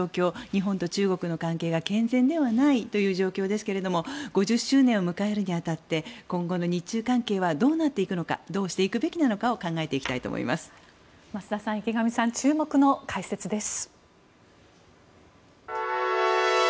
日本と中国の関係が健全ではないという状況ですけど５０周年を迎えるに当たって今後の日中関係はどうなっていくのかどうしていくべきなのかを増田さん、池上さん注目の解説です。